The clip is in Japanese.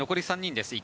残り３人です。